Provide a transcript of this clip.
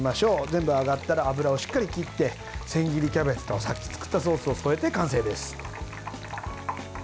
全部揚がったら油をしっかり切って千切りキャベツとさっき作ったソースを添えて完成です。